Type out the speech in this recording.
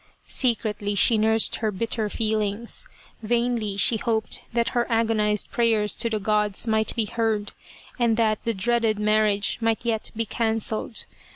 Secretly she nursed her bitter feelings : vainly she hoped that her agonized prayers to the Gods might be heard, and that the dreaded marriage might yet be cancelled.